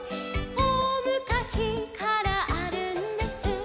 「おおむかしからあるんです」